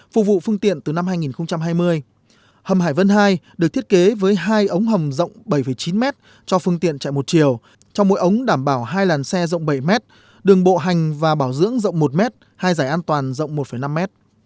phục vụ phương tiện từ năm hai nghìn hai mươi hầm hải vân hai được thiết kế với hai ống hầm rộng bảy chín mét cho phương tiện chạy một chiều trong mỗi ống đảm bảo hai làn xe rộng bảy mét đường bộ hành và bảo dưỡng rộng một mét hai giải an toàn rộng một năm mét